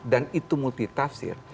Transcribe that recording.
dan itu multi tafsir